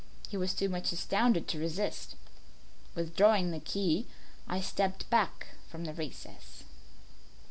He was too much astounded to resist. Withdrawing the key I stepped back from the recess.